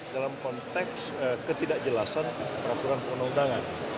dalam konteks ketidakjelasan peraturan perundangan